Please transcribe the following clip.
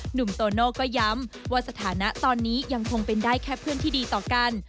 หนุ่มโตโน่ก็ย้ำว่าสถานะตอนนี้ยังคงเป็นได้แค่เพื่อนที่ดีต่อกัน